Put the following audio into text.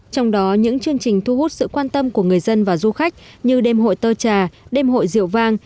trong đó những chương trình thu hút sự quan tâm của người dân và du khách như đêm hội tơ trà đêm hội diệu vang